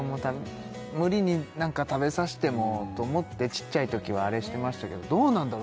無理に何か食べさせてもと思ってちっちゃいときはあれしてましたけどどうなんだろう